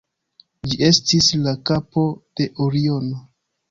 Ĝi estis la kapo de Oriono.